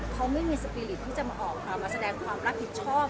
เขาไม่มีสปีริตที่จะมาออกมาแสดงความรับผิดชอบ